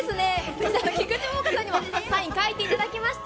そして菊池桃子さんにもサイン、書いていただきました。